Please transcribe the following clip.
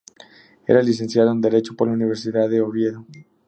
Era licenciado en Derecho por la Universidad de Oviedo.